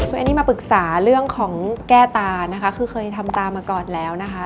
วันนี้มาปรึกษาเรื่องของแก้ตานะคะคือเคยทำตามาก่อนแล้วนะคะ